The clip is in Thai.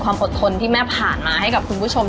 ความอดทนที่แม่ผ่านมาให้กับคุณผู้ชม